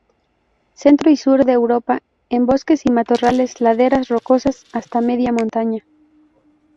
Centro y sur de Europa, en bosques y matorrales, laderas rocosas, hasta media montaña.